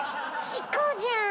チコじゃん